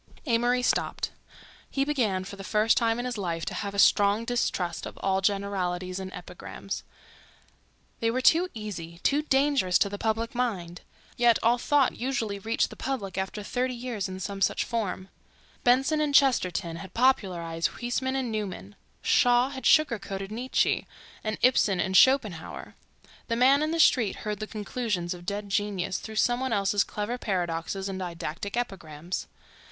Amory stopped. He began for the first time in his life to have a strong distrust of all generalities and epigrams. They were too easy, too dangerous to the public mind. Yet all thought usually reached the public after thirty years in some such form: Benson and Chesterton had popularized Huysmans and Newman; Shaw had sugar coated Nietzsche and Ibsen and Schopenhauer. The man in the street heard the conclusions of dead genius through some one else's clever paradoxes and didactic epigrams.